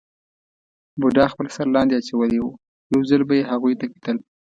بوډا خپل سر لاندې اچولی وو، یو ځل به یې هغوی ته کتل.